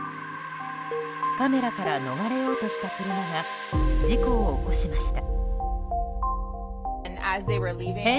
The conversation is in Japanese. カメラから逃れようとした車が事故を起こしました。